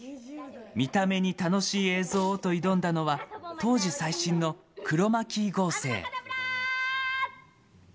見た目に楽しい映像をと挑んだのは、当時最新のクロマキー合成。